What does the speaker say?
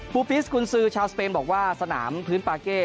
ปิสกุญซือชาวสเปนบอกว่าสนามพื้นปาเก้